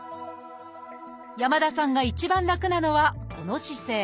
山田さんが一番楽なのはこの姿勢。